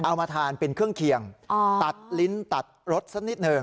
เอามาทานเป็นเครื่องเคียงตัดลิ้นตัดรสสักนิดหนึ่ง